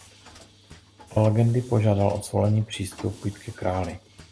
Podle legendy požádal o svolení přistoupit ke králi.